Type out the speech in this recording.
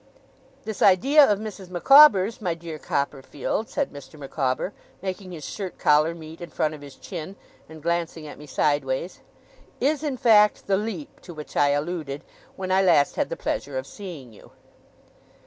'This idea of Mrs. Micawber's, my dear Copperfield,' said Mr. Micawber, making his shirt collar meet in front of his chin, and glancing at me sideways, 'is, in fact, the Leap to which I alluded, when I last had the pleasure of seeing you.